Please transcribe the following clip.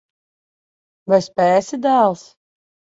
Vai spēsi, dēls?